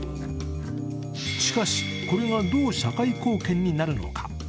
しかし、これがどう社会貢献になるのか。